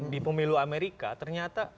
di pemilu amerika ternyata